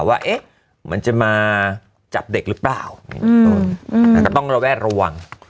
ว่าเอ๊ะมันจะมาจับเด็กรึเปล่าอืมอืมมันก็ต้องแลวแวดระวัง